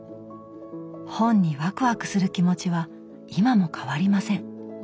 本にワクワクする気持ちは今も変わりません。